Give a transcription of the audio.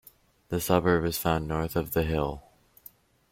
The suburb is found north of The Hill.